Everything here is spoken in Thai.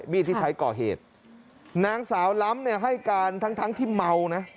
มีดที่ใช้ก่อเหตุนางสาวล้ำให้การทั้งที่เมานะ